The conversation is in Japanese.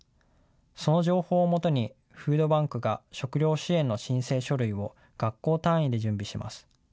その情報を基に、フードバンクが食料支援の申請書類を学校単位で準備します。